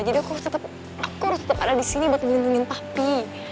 jadi aku harus tetap aku harus tetap ada di sini buat ngelindungin papi